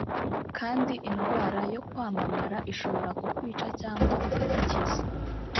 kandi indwara yo kwamamara ishobora kukwica cyangwa ikagukiza